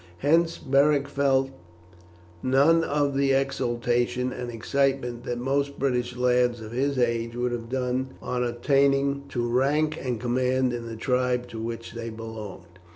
Hence Beric felt none of the exultation and excitement that most British lads of his age would have done on attaining to rank and command in the tribe to which they belonged.